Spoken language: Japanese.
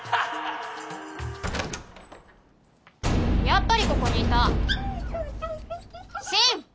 やっぱりここにいた深！